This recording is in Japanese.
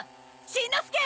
しんのすけ！